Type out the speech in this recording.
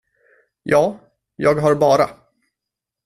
Ja, jag har bara.